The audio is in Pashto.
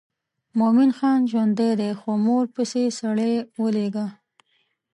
مومن خان ژوندی دی نو مور پسې سړی ولېږه.